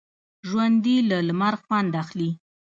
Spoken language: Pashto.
ژوندي له لمر خوند اخلي